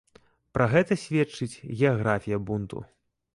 Пра гэта сведчыць геаграфія бунту.